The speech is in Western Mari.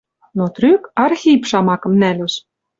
Но трӱк Архип шамакым нӓлеш: